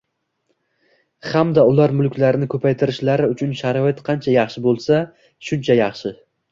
hamda ular mulklarini ko‘paytirishlari uchun sharoit qancha yaxshi bo‘lsa, shuncha yaxshi.